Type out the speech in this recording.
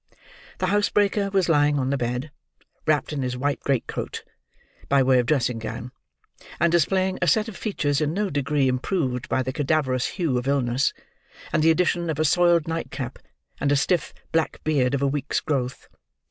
The housebreaker was lying on the bed, wrapped in his white great coat, by way of dressing gown, and displaying a set of features in no degree improved by the cadaverous hue of illness, and the addition of a soiled nightcap, and a stiff, black beard of a week's growth.